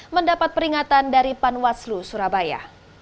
mendapat peringatan dari panwaslu surabaya